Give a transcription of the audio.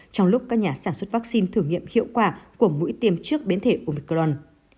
trong lúc các nhà sản xuất vaccine thử nghiệm hiệu quả của mũi tiêm trước biến thể omicron